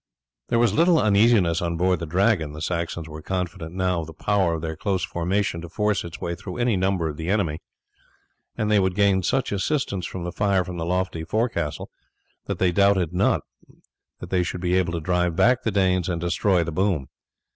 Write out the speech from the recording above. There was little uneasiness on board the Dragon, the Saxons were confident now of the power of their close formation to force its way through any number of the enemy, and they would gain such assistance from the fire from the lofty forecastle that they doubted not that they should be able to drive back the Danes and destroy the boom.